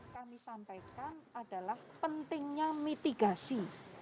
kami sampaikan adalah pentingnya mitigasi